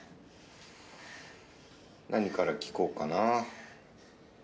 何から聞こうかな。